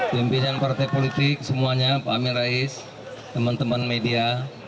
pimpinan partai politik semuanya pak amin rais teman teman media